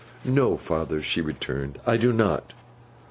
'No, father,' she returned, 'I do not.